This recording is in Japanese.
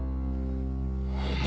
お前！